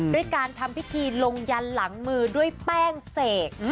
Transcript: ด้วยการทำพิธีลงยันหลังมือด้วยแป้งเสก